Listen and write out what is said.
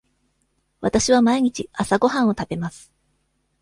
わたしは毎日朝ごはんを食べます。